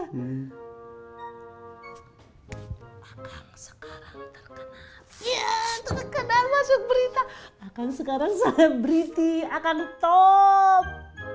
sekarang terkenal masuk berita akan sekarang sangat berhenti akan top